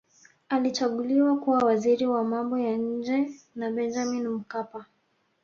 alichaguliwa kuwa waziri wa mambo ya nje na benjamini mkapa